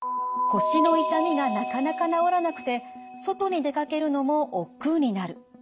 腰の痛みがなかなか治らなくて外に出かけるのもおっくうになる。